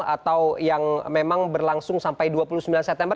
atau yang memang berlangsung sampai dua puluh sembilan september